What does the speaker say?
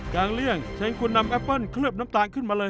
เลี่ยงเชิญคุณนำแอปเปิ้ลเคลือบน้ำตาลขึ้นมาเลย